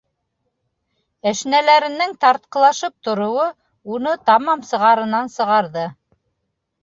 Әшнәләренең тартҡылашып тороуы уны тамам сығырынан сығарҙы.